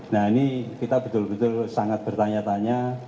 nah ini kita betul betul sangat bertanya tanya